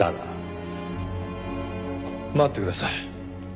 待ってください。